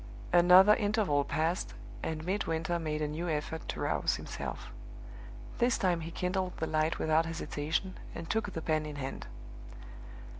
Another interval passed, and Midwinter made a new effort to rouse himself. This time he kindled the light without hesitation, and took the pen in hand.